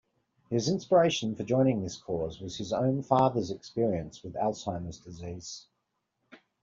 His inspiration for joining this cause was his own father's experience with Alzheimer's disease.